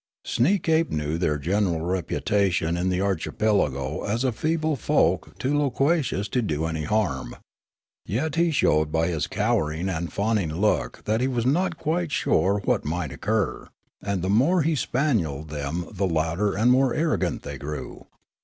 Sneekape knew their gen eral reputation in the archipelago as a feeble folk too loquacious to do any harm. Yet he showed by his cowering and fawning look that he was not quite sure what might occur ; and the more he spanielled them the louder and more arrogant they grew.